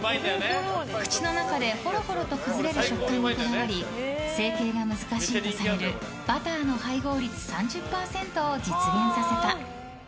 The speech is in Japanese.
口の中でほろほろと崩れる食感にこだわり成形が難しいとされるバターの配合率３０％を実現させた。